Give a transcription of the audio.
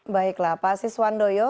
baiklah pak siswan doyo